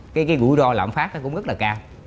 cái cái gũi đo lãm phát nó cũng rất là cao